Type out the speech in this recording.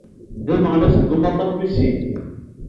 D aneɣmas deg umaṭṭaf wis sin.